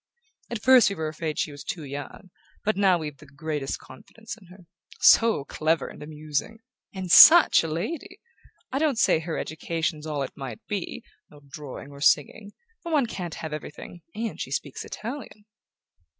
At first we were afraid she was too young; but now we've the greatest confidence in her. So clever and amusing and SUCH a lady! I don't say her education's all it might be ... no drawing or singing ... but one can't have everything; and she speaks Italian..."